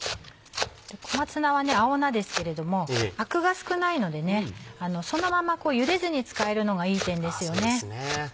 小松菜は青菜ですけれどもアクが少ないのでそのままゆでずに使えるのがいい点ですよね。